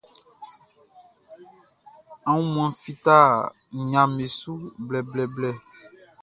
Aunmuanʼn fita nɲaʼm be su blɛblɛblɛ.